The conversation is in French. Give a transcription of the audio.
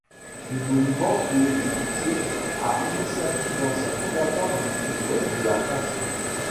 Le monument fut édifié à l'initiative d'anciens combattants du sud-ouest de la France.